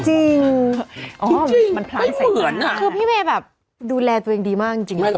จริงจริงจริงไม่เหมือนคือพี่เมแบบดูแลตัวเองดีมากจริง